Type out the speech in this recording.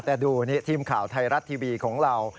แต่ดูนี่ทีมข่าวไทยรัฐทีวีของเรา